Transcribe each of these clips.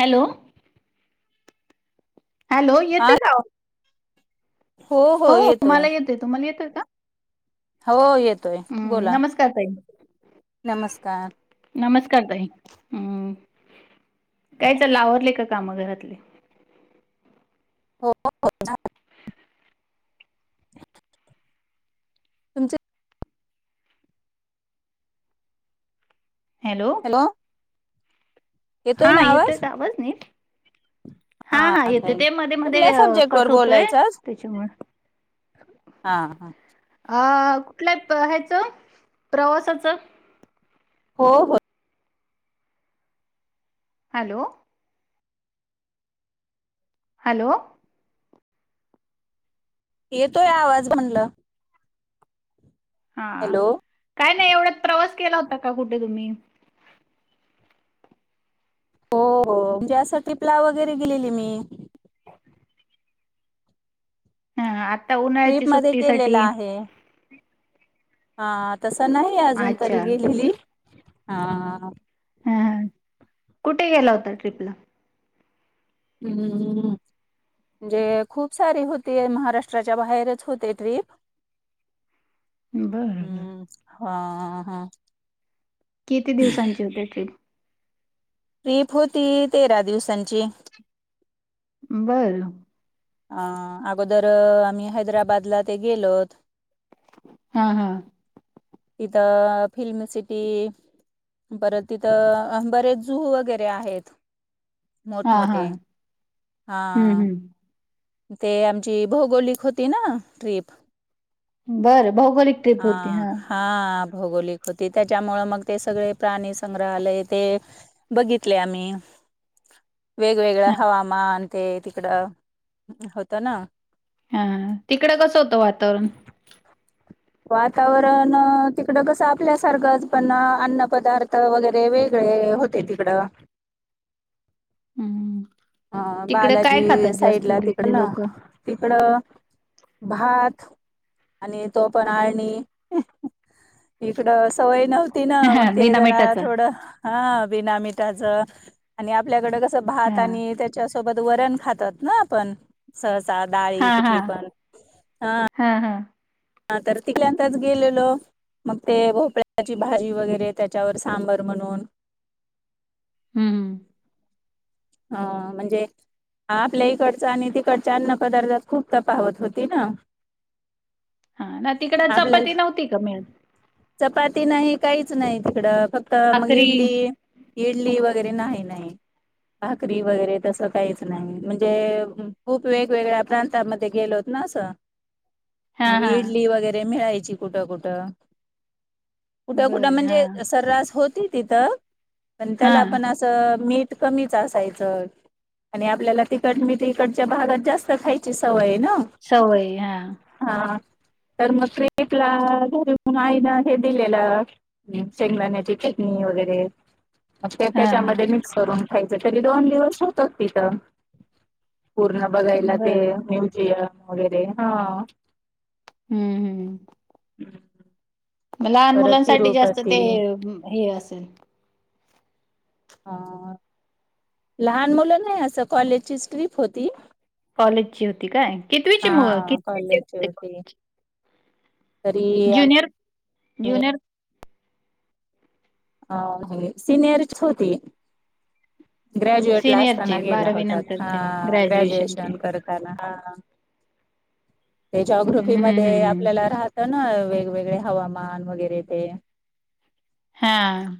Hello hello हा येतोय का. हो मला येतोय. तुम्हाला येतय का? हो येतोय हम्म बोला नमस्कार ताई. नमस्कार नमस्कार ताई हम् काय तर लावरले का काम घरातले हो हो तुमचे हॅलो हा येतोय ना येतय आवाज नाही हा हा येतो ताई ते मध्ये कुठल्या मध्ये सब्जेक्ट वर कट होतोय बोलायचं आज त्याच्यामु हा हा अ कुठल्या ह्याचं प्रवासाचं हो हो हॅलो हॅलो येतोय आवाज म्हणल हा काय नाही एवढा प्रवास केला होता का कुठे तुम्ही हो म्हणजे अस ट प्ला वगैरे गेलेली मी [inaudible] हा आता उन्हाळ्याची ट्रीप मध्ये केलेला सुट्टीसाठी आहे हा तसं नाही अजून तरी अच्छा गेलेली हा हा कुठे गेला होता ट्र्रीपला हम् म्हणजे खूप सारे होते महाराष्ट्राच्या बाहेरच होते ट्रीिप बरं बर हम्म हा हा किती दिवसांची होते ूप प्रीप होती तेरा दिवसांची बरं अं अगोदर आम्ही हैदराबादला ते गेलोत हा हा इदा फिलम सिटी परत तिथं बरेच जू वगैरे आहेत मोठ हा हा मोोठे हा हम्म हम्म ते आमची भौगोलिक होती ना ट्रीप बरं भौगोलिक ट्रिप होती हा भौगोलिक होती त्याच्यामु मग ते सगळे प्राणी संग्रहालय ते बघितले आम्ही [inaudible] वेगवेगळं हा हवामान ते तिकडं होतं ना हा तिकडं कसं होतं वातावरण? वातावरण तिकडं कसं आपल्यासारखंच पण अन्न पदार्थ वगैरे वेगळे होते तिकडं [inaudible] हम्म अ तिकडे काय बालाजी खातात साइड जास्त ला तिकड तिथले ना लोक? तिकडं भात आणि तो पण आणिणी इकड सवय नव्हती ना मग हा, ते बिना जरा मिठाचा थोडं हा बना मिठाच आणि आपल्याकडे कस हा भात आणि त्याच्या सोबत वरण खातात ना आपण सह हा ाळी हा कुठली पण ह हा हा हा तर तिकल्यांतच गेलेलो मग ते भोपळ्याची भाजी वगैरे त्याच्यावर सांबर म्हणून हम्म हा म्हणजे हा आपल्या इकडचं आणि तिकडच्या अन्न पदार्थात खूप त पा होत होती ना हा ना तिकड आपल्याला चपाती नव्हती कामी चपाती नाही काहीच नाही तिकडं फक्त मग भाकरी इडली इडली वगैरे नाही नाही भाकरी वगैरे तसं काहीच नाही म्हणजे खूप वेगवेगळ्या प्रांतामध्ये गेलो होत ना हा म हा इडली वैरे मिळाची कुठ कुठ कुठ कुठ बर हा म्हणजे सर्रास होती तिथं पण हा त्याला पण असं मीठ कच असायच आपल्याला तट मी तडच्या भागात जास्त खा ची सवय आहे ना सवय हा हा तर मग क्रटला घरी म्हून आई ना हे दिलेलं शेंगलाण्याची वगैरे हा हा त्याच्यामध्ये मिक्स करून खायचं तरी दोन दिवस होतात तिथं पूर्ण बघायला ते बर म्युझियम वगैरे हा हम्म हम्म म लहान परत मुलांसाठी जास्त तिरुपती ते हे असेल अ लहान मुलं नाही असं कॉलेजची ट्रिप होती कॉलेजची होती काय? कितवीची हा मग कितवीचे होते कॉलेज? कॉलेजी तरी जुनिर अ सिनियरच होती ग्रॅज्युएट ला सीनियरची असताना गेल्या होत हा नंतरची ग्रॅज्युएशनची. ग्रॅज्युएशन हं, करताना हा ते जओग्रफी हं, हं, मध्ये हं. आपल्याला राहत ना वेगवेगळे हवामान वगैरे ते हां.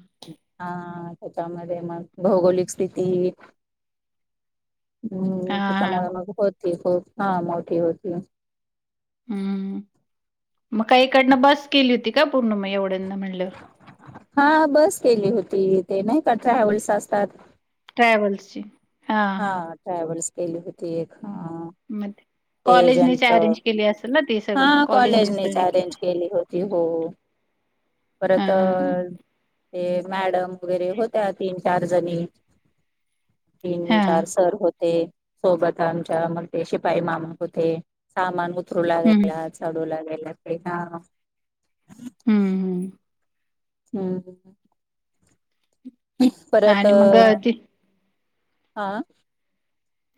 हा ह त्याच्यामध्ये म भौगोलिक स्थिती हां, हम्म त्याच्यामुळे हां. मग होती खूप हा मोठी होती हम्म म का इकडनं बस केली होती का पूर्ण मग एवढ्याना म्हटल्यावर हा बस केली होती ते नाही कठरा्या ह्या वेळेस असतात ट्रॅव्हल्सची हां, हा हां. ट्रॅव्हल्स केली होती एक ह म कॉलेजने अरेंज केली अस हा तसग कॉलेज कॉलेजनेच निसत अरेंज केली होती हो परत ते मॅडम वगैरे होत्या तीन चार जणी तीन चार हां. सर होते सोबत आमच्या मग ते शिपाई मामा होते सामान उतर हं. चढू लागला हा हं, हं. हम्म परत आणि मग अ, ती हा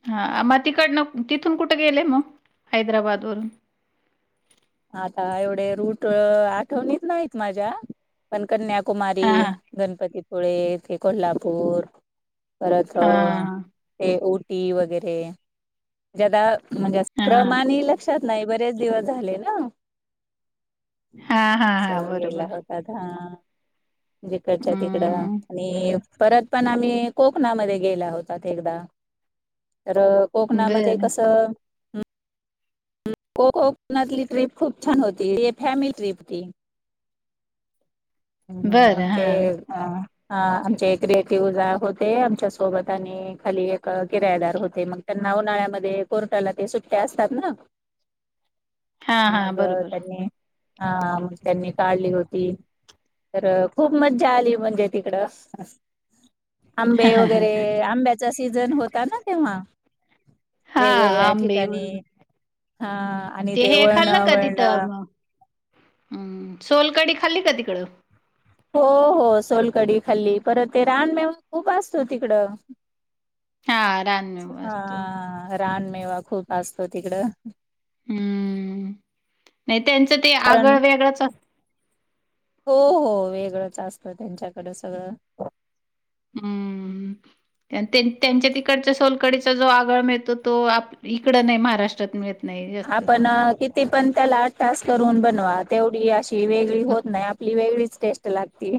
हा मग तिकडनं तिथून कुठे गेले मग हैदराबाद वरून आता एवढे रूट आठवणीत नाहीत माझ्या पण कन्या हां, कुमारी हां. गणपतीपुळे येथे कोल्हापूर परत हा ते उऊटी वगैरे ज्या म्हणजे हा क्रमाने लक्षात नाही बरेच दिवस झाले ना हा हा स हा गेला बरोबर होताात हा जिकडच्या तिकडं हम्म आणि परत पण आम्ही कोकणामध्ये गेल्या होत एकदा तर कोकणामध्ये बरं कसं कोककणातली ट्रिप खूप छान होती जी फॅमिली ट्रीिप तती हम्म बरं हा आमचे अं अ आमचे क्रिएटिव्हज होते आमच्या सोबत आणि खाली एक किरायदार होते मग त्यांना उन्हाळ्यामध्ये कोरटाला ते सुट्टया असतात ना हा हा मग बरोबर. त्यांनी हा मग त्यांनी काढली होती तर खूप मज्जा आली म्हणजे तिकडं आंबे वगैरे आंब्याचा सीझन होता ना तेव्हा. हा वेगवेगळ्या आंबे ठिकाणी बरोबर हा आणि ते हे वळण खाल्लं का वळण. तिथं मग हम्म सोलकडी खाल्ली का तिकडं? हो हो सोलकडी खाल्ली परत ते रान मेव खूप असतो तिकडं. हा रानमेवा हा असतो रानमेवा खूप असतो तिकडं. हम्म नाही त्यांचं ते पण आगळ वेगळंच अस हो हो वेगळंच असतं त्यांच्याकडे सगळं. हम्म. त्यां त्यांच्या तिकडच्या सोलकडीचा जो आगळ मिळतो तो आप इकडं नाही महाराष्ट्रात मिळत. नाही जास्त आपण अ किती पण त्याला टास करून बनवा तेवढी अशी ची वेगळी होत नाही आपली वेगळीच टेस्ट लागते.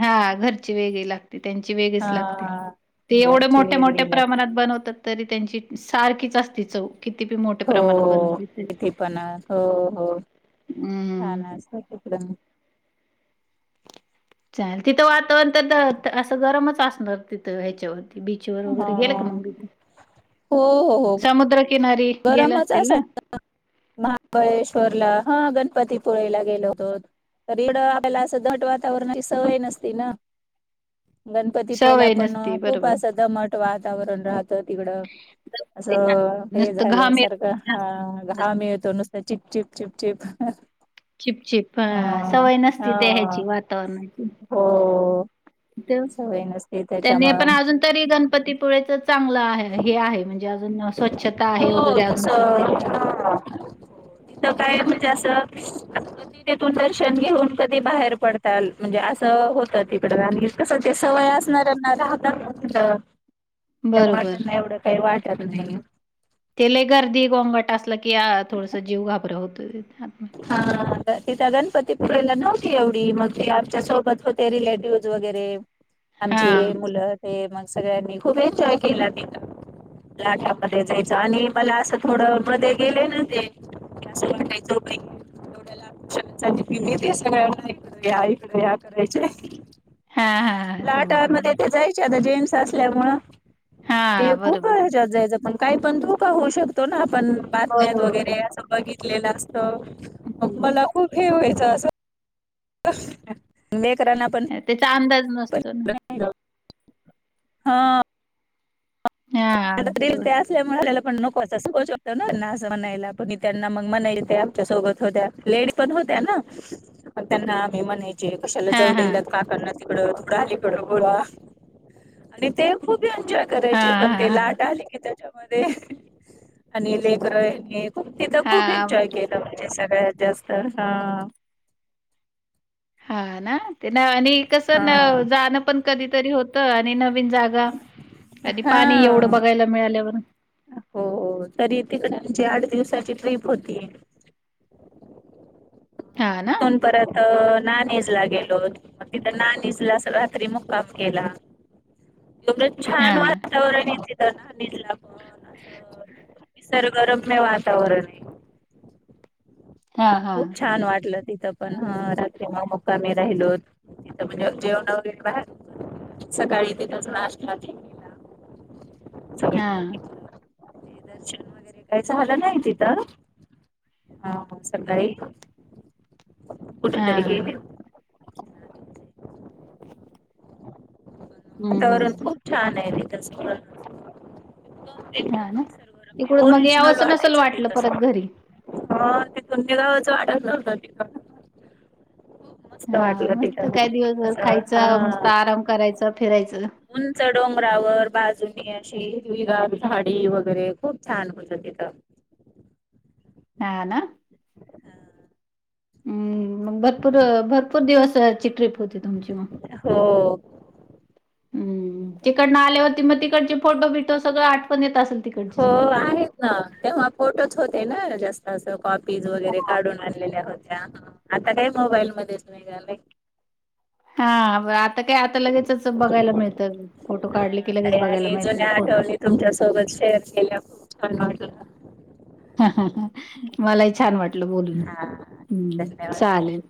हा घरची वेगळी लाग ते त्यांची वेगळीच लागते हा ते एवढ्या घरची मोठ्या-मोठ्या वेगळी लागते प्रमाणात बनवतात. तरी त्यांची सारखीच असती चव. किती बी मोठ्या हो प्रमाणात हो बनवली तरी तिथे पना हो हो. हा हम्म ना असतं तिकडं. चाल तिथं वातावरण तर त असं गरमच असणार तिथं ह्याच्यावर बीच व हा वगैरे गेलं का मग इथं हो हो हो समुद्र गरमच असाय महाबळेश्वरला हा गण पतीपळेला गेलो होतो तरी इडं आपल्याला असं दट वातावरणाची सवय नसती ना. गणपती पळेला सवय पण नसती खूप बरोबर असं दमट वातावरण राह तं तिकड असं हे नुसतं झाल्या घाम येत सारखं हा घाम येतो नुस तं चिप चिप चिप चिपचिप हा सवय नसती हा ते ह्याची वातावरणाची. हो तिथं सवय नस त्यांनी आपण अजून तरी गणपतीपुळेच चांगलं आहे हे आहे म्हणजे अजून स्वच्छता आहे री हो वगैरे तस अजून तर तिथं आहे. ह तर काय म्हणजे असं [unintelligible] दर्शन घेऊन कधी बाहेर पडताल म्हणजे असं तं होतं तिकडे आणि कसं ते सवय असणारऱ्यांना राहता [unintelligible] त्या बरोबर. वाटना एवढं काही वाट [unintelligible] ती लई गर्दी गोंगट असलं की आ थोडस जीव घाबर होतोय. हा हा. तिथं गणपतीपुळेला नव्हती एवढी मग ते आमच्या सोबत होते रिलेटिव्हज वगैरे आमचे हां. मुलं ते मग सगळ्यांनी खूप एन्जॉय केला तिथं लाटामध्ये जायचं आणि मला असं थोडं मध्ये गेले ना ते असं वाटायच [unintelligible] फिल्लीेत सगळ्यांना इकडं या इकडं या करायचे. हां, हां, हां. लाटाळमध्ये ते समुद्रामध्ये. जायचे आता जेंट्स असल्यामुळं ते हां, खूप बरोबर. ह्याच्यात जायचं पण काही पण धोका होऊ शकतो ना पण बातम्यात बरोबर. वगैरे अस बघितलेलं असतं मग मला खूप हे व्हायचं असं [unintelligible] पण त्याचा अंदाज नसतो ना हा आता हां, रील थोडं. ते असल्यामुळे आपल्याला - पण नको असत [unintelligible] त्यांना मग मानायला आमच्या सोबत होत्या लेडी पण हो- - त्याना मग त्यांना आम्ही म्हणे जे कशाला जाऊ हां, हां. देयल्यात काकांना तिकडं तुक अलीकडं गोळा आणि ते खूप एन्जॉय करायचे हां, पण हां, ते हां. लाट आले की त्याच्यामध्ये आणि लेकर [unintelligible] खूप तिथं खूप हां, मग एन्जॉय ते केलं म्हणजे सगळ्यात जास्त हा हा ना ते ना आणि कसं न हा जाणं पण कधीतरी होतं आणि - विन जागा आणि पाणी हा एवढं बघायला मिळाल्यावर हो तरी तिकडे आमची आठ दिवसाची ट्रिप होती हां ना. तिथुन परत त नाणीज ला गेलो मग तिथ नाणीजला अस रात्री मुक्काम केला एवढं हा छान वातावरण येते त्या नानिजला पण असं निसर्गरम्य वातावरणाय हा हा खूप छान वाटलं तिथं पण ह रात्री मध्ये कामी राहिलो तिथं म्हणजे जेवण वगैरे बाहेर [unintelligible] सकाळी तिथंच नाश्ता ते केला हा अे दर्शन वगैरे काहीच झालं नाही तिथं हा हा सकाळी कुठ हा तरी गेले होते हम्म वातावरण हम्म खूप छान आहे [unintelligible] एकदम एकदम हा ना निसर्गरम्य तिकडून मग ओरिजनल यावंसं नसेल वाटायचं ते वाटलं तस परत घरी हा तिथून ते गावाचं वाटत नव्हत तिथं खूप मस्त हा वाटलं मस्त तिथं काय दिवसभर असं खायचं मस्त हा आराम करायचं फिरायचं उंच डोंगरावर बाजूनी अशी हिरवीगार झाडी वगैरे खूप छान होतात तथं हा ना हम् मग भरपूर भरपूर दिवसाची ट्रिप होती तुमची मग हो हम्म तिकडनं आल्यावरती मग तिकडचे फोटो बिटो सगळं आठवणीत असल हो आहेत ना तेव्हा फोटोच होते ना जास्त अस कॉपीज वगैरे काढून आणलेल्या होत्या आता काय मोबाईल मध्येच निघायलयं हा [unintelligible] आता ते आता लगेच बघायला मिळतं फोटो हा काढले की लगेच ताई बघायला मिळत फोटो तयार केल्या खूप छान वाटलं [unintelligible] मलाही छान वाटलं बोलून हा हम् धन्यवाद चालेल ताई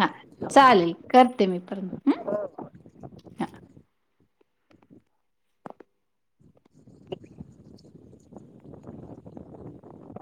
हा चालेल करते मी परंत हं हो [inaudible] [inaudible]